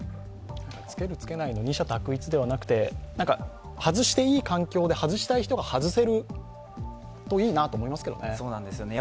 つける、つけないの二者択一ではなくて外していい環境で、外したい人が外せるといいなと思いますけどね。